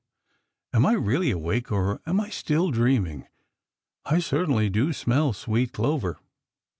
Am I really awake, or am I still dreaming? I certainly do smell sweet clover!"